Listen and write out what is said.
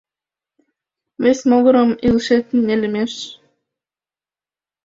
Вес могырым, илышет нелемеш.